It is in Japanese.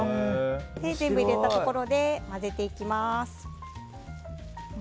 全部入れたところで混ぜていきます。